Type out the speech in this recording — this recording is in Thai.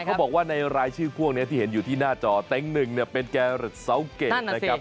เขาบอกว่าในรายชื่อพวกนี้ที่เห็นอยู่ที่หน้าจอเต็งหนึ่งเนี่ยเป็นแกรึกเสาเกรดนะครับ